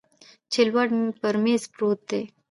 چې لوړ پر میز پروت دی